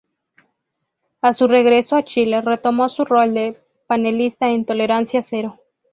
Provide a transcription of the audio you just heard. A su regreso a Chile retomó su rol de panelista en "Tolerancia cero".